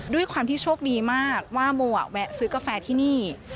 ด้วยความที่โชคดีมากว่าโมแวะซื้อกาแฟที่นี่